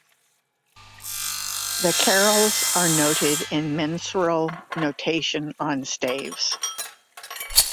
The carols are noted in mensural notation on staves.